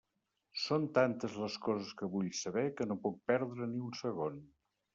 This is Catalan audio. Són tantes les coses que vull saber que no puc perdre ni un segon.